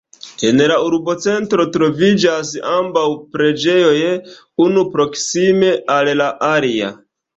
En la urbocentro troviĝas ambaŭ preĝejoj, unu proksime al la alia.